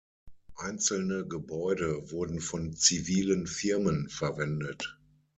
Einzelne Gebäude wurden von zivilen Firmen verwendet.